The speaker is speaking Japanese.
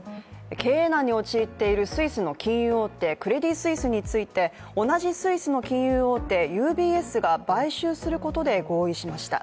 経営難に陥っているスイスの金融大手、クレディ・スイスについて、同じスイスの金融大手ＵＳＢが買収することで合意しました。